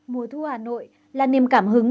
mùa thu hà nội là niềm cảm hứng